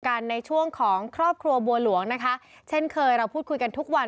กันในช่วงของครอบครัวบัวหลวงนะคะเช่นเคยเราพูดคุยกันทุกวัน